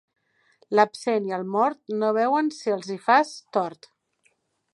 L'absent i el mort no veuen si els hi fas tort.